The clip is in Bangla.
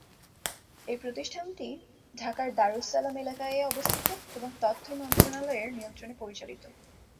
এই প্রতিষ্ঠানটি ঢাকার দারুস সালাম এলাকায়-এ অবস্থিত এবং তথ্য মন্ত্রণালয়ের নিয়ন্ত্রণে পরিচালিত।